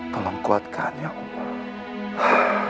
tolong kuatkan ya allah